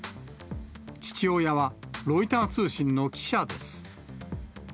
父親はロイター通信の記者です。